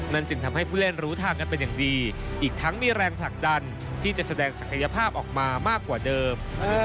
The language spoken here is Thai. จึงทำให้ผู้เล่นรู้ทางกันเป็นอย่างดีอีกทั้งมีแรงผลักดันที่จะแสดงศักยภาพออกมามากกว่าเดิม